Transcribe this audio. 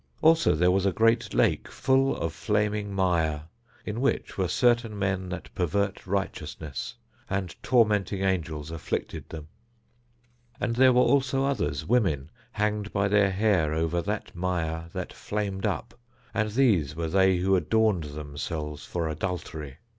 Also there was a great lake full of flaming mire in which were certain men that pervert righteousness, and tormenting angels afflicted them. And there were also others, women, hanged by their hair over that mire that flamed up, and these were they who adorned themselves for adultery.